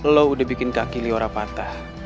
lo udah bikin kaki liora patah